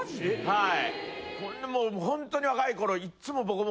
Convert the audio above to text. はい。